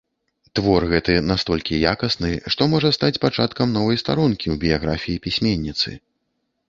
Твор гэты настолькі якасны, што можа стаць пачаткам новай старонкі ў біяграфіі пісьменніцы.